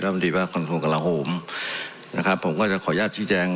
และวันดีประควรคนทรงกระโหมนะครับผมก็จะขออนุญาตชี้แจง